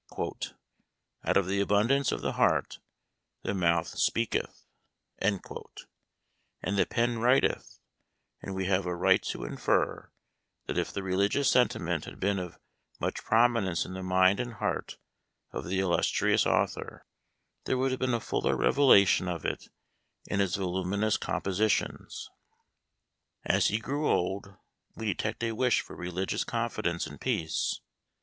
" Out of the abundance of the heart the mouth speaketh" and the pen writeth ; and we have a right to infer that if the religious sentiment had been of much promi nence in the mind and heart of the illustrious author there would have been a fuller revelation of it in his voluminous compositions. As he grew old we detect a wish for religious confidence and peace.